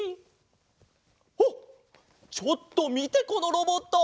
あっちょっとみてこのロボット！